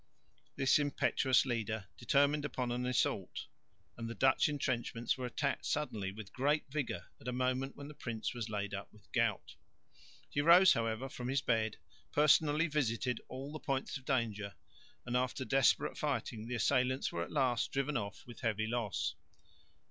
This impetuous leader determined upon an assault, and the Dutch entrenchments were attacked suddenly with great vigour at a moment when the prince was laid up with the gout. He rose, however, from his bed, personally visited all the points of danger, and after desperate fighting the assailants were at last driven off with heavy loss.